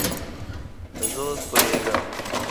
زه اوس پوهیږم